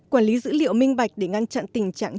quản lý dữ liệu minh bạch để ngăn chặn tình trạng